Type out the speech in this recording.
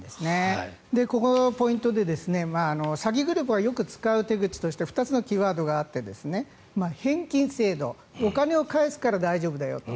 ここのポイントで詐欺グループがよく使う手口として２つのキーワードがあって返金制度お金を返すから大丈夫だよと。